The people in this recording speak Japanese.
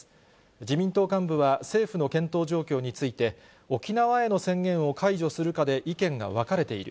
自民党幹部は政府の検討状況について、沖縄への宣言を解除するかで意見が分かれている。